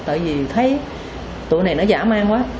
tại vì thấy tội này nó giả man quá